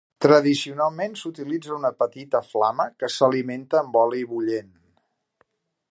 Tradicionalment s'utilitza una petita flama que s'alimenta amb oli bullent.